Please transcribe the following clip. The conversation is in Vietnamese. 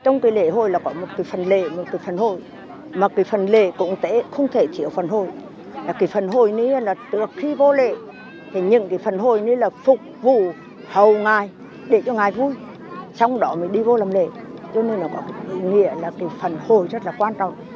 nó có nghĩa là phần hồi rất là quan trọng